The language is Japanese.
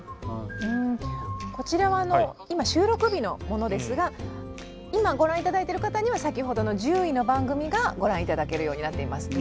こちらは今収録日のものですが今ご覧頂いてる方には先ほどの１０位の番組がご覧頂けるようになっていますので。